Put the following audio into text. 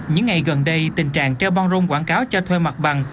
những ngày gần đây tình trạng treo bong rung quảng cáo cho thuê mặt bằng